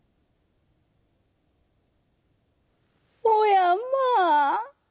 「おやまあ！